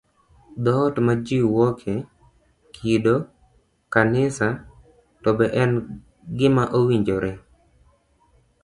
Dhoot ma jiwuoke, kido, kanisa, to be en gima owinjore?